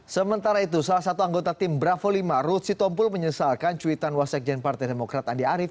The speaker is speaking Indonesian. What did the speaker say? sementara itu salah satu anggota tim bravo lima ruth sitompul menyesalkan cuitan wasekjen partai demokrat andi arief